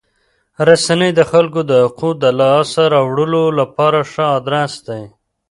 رسنۍ د خلکو د حقوقو د لاسته راوړلو لپاره ښه ادرس دی.